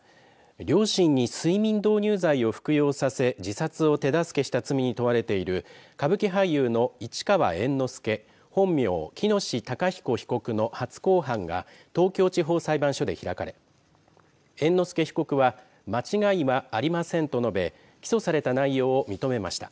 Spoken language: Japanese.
両親に睡眠導入剤を服用させ自殺を手助けした罪に問われている歌舞伎俳優の市川猿之助本名、喜熨斗孝彦被告の初公判が東京地方裁判所で開かれ猿之助被告は間違いはありませんと述べ起訴された内容を認めました。